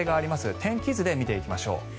天気図で見ていきましょう。